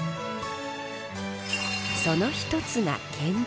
その一つが建築。